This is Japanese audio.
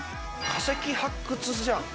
化石発掘じゃん